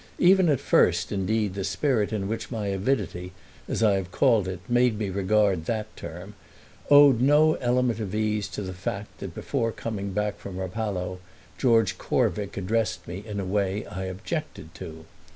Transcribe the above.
Even at first indeed the spirit in which my avidity, as I have called it, made me regard that term owed no element of ease to the fact that before coming back from Rapallo George Corvick addressed me in a way I objected to.